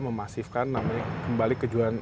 memasifkan kembali kejuan